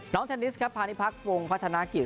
น้องเทคนิสครับพาณิพักษ์วงพัฒนาคีย์